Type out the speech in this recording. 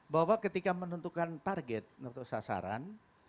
bahwa ketika menentukan target atau sasaran